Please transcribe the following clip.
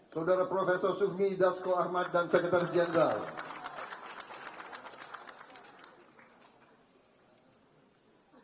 saudara profesor sufmi dasko ahmad dan sekretaris general